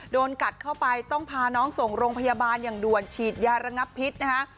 โดนกัดเข้าไปต้องพาน้องส่งโรงพยาบาลอย่างด่วนฉีดยาระงับพิษนะคะ